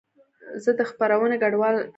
زه د خپرونې ګډونوال یم.